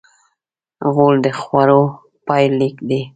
غول د خوړو پای لیک دی.